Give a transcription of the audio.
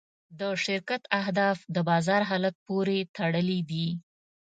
د شرکت اهداف د بازار حالت پورې تړلي دي.